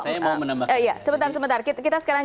menambahkan sebentar sebentar kita sekarang